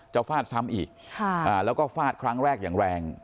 ฟาดซ้ำอีกแล้วก็ฟาดครั้งแรกอย่างแรง